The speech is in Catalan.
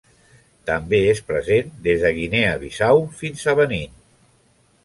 També és present des de Guinea Bissau fins a Benín.